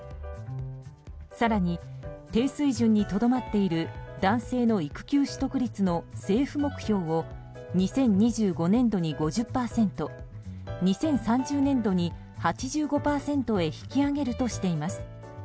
更に、低水準にとどまっている男性の育休取得率の政府目標を２０２５年度に５０％２０３０年度に８５％へ引き上げるとしています。